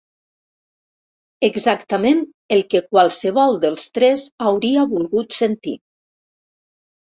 Exactament el que qualsevol dels tres hauria volgut sentir.